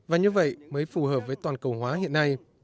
và như vậy mới phù hợp với toàn cầu hóa hiện nay